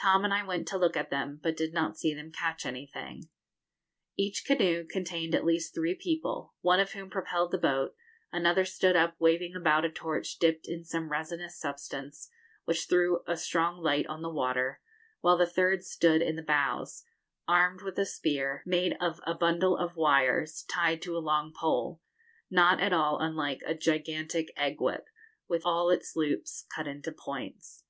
Tom and I went to look at them, but did not see them catch anything. Each canoe contained at least three people, one of whom propelled the boat, another stood up waving about a torch dipped in some resinous substance, which threw a strong light on the water, while the third stood in the bows, armed with a spear, made of a bundle of wires, tied to a long pole, not at all unlike a gigantic egg whip, with all its loops cut into points.